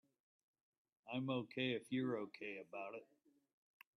I'm OK if you're OK about it.